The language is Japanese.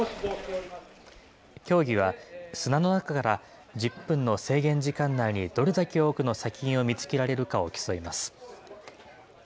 競技は、砂の中から１０分の制限時間内にどれだけ多くの砂金を見つけられるかを競います。